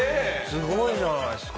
すごいじゃないっすか！